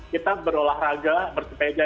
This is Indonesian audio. kita berolahraga bersepeda